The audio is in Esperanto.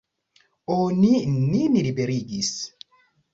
Oni nin liberigis.